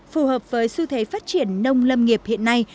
phù hợp với xu thế phát triển nông lâm nghiệp hiện nay